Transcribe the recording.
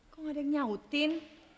kok ada yang nyautin